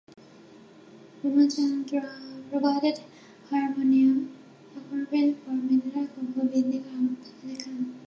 Ramachandra provided harmonium accompaniment for Minerva composers Bindu Khan and Habib Khan.